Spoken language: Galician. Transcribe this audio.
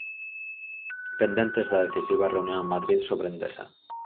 Pendentes da decisiva reunión en Madrid sobre Endesa.